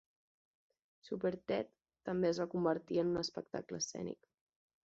Superted també es va convertir en un espectacle escènic.